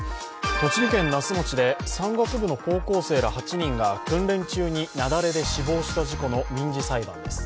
栃木県那須町で山岳部の高校生ら８人が訓練中に雪崩で死亡した事故の民事裁判です。